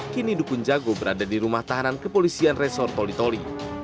kini dukun jago berada di rumah tahanan kepolisian resor toli toli